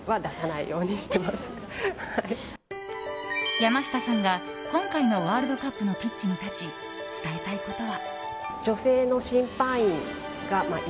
山下さんが今回のワールドカップのピッチに立ち伝えたいことは。